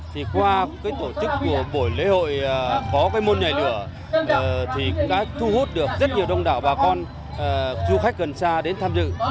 thì qua cái tổ chức của buổi lễ hội có cái môn nhảy lửa thì cũng đã thu hút được rất nhiều đông đảo bà con du khách gần xa đến tham dự